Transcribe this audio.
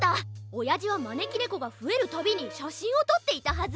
おやじはまねきねこがふえるたびにしゃしんをとっていたはず！